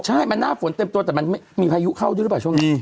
ใช่มันหน้าฝนเต็มตัวแต่มันไม่มีพายุเข้าด้วยหรือเปล่าช่วงนี้